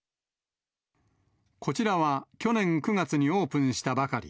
こちらは去年９月にオープンしたばかり。